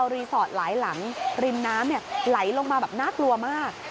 รินน้ำไหลลงมาแบบน่ากลัวมาก